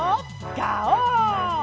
ガオー！